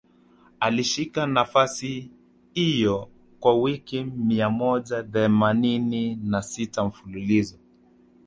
Alishika nafasi hiyo kwa wiki mia moja themanini na sita mfululizo